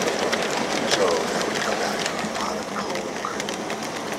So now we come back to our pot of cold cream.